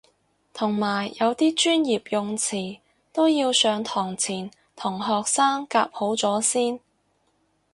同埋有啲專業用詞都要上堂前同學生夾好咗先